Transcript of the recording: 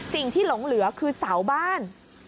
สิ่งที่หลงเหลือคือเสาบ้าน